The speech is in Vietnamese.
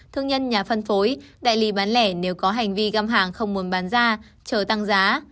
thương nhân nhà phân phối đại lý bán lẻ nếu có hành vi găm hàng không muốn bán ra chờ tăng giá